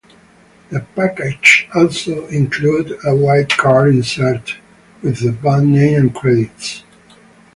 The package also included a white card insert, with the band name and credits.